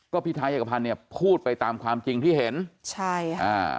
พี่ไทยเอกพันธ์เนี่ยพูดไปตามความจริงที่เห็นใช่ค่ะอ่า